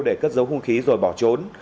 để cất giấu hung khí rồi bỏ trốn